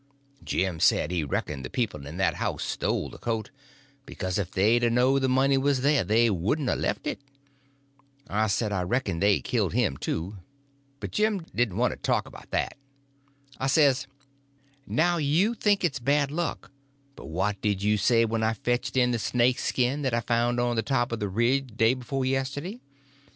Jim said he reckoned the people in that house stole the coat, because if they'd a knowed the money was there they wouldn't a left it. I said I reckoned they killed him, too; but Jim didn't want to talk about that. I says: "Now you think it's bad luck; but what did you say when I fetched in the snake skin that I found on the top of the ridge day before yesterday?